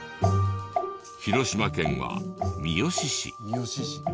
広島県は三次市。